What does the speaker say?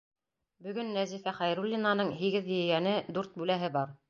Бөгөн Нәзифә Хәйруллинаның һигеҙ ейәне, дүрт бүләһе бар.